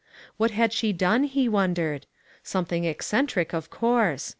What had she done, he wondered ; something eccentric, of course.